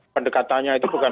pendekatannya itu bukan